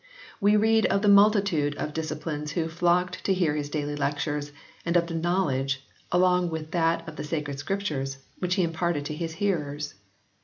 We read of the multitude of disciples who flocked to his daily lectures and of the knowledge, along with that of the sacred Scriptures, which he imparted to his hearers.